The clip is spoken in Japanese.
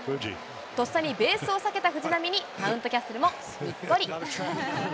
とっさにベースを避けた藤浪にマウントキャッスルもにっこり。